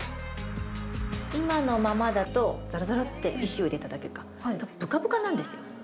今のままだとザラザラって石を入れただけかブカブカなんですよ。